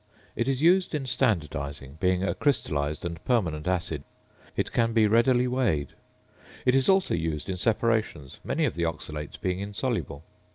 It is used in standardising; being a crystallised and permanent acid, it can be readily weighed. It is also used in separations, many of the oxalates being insoluble.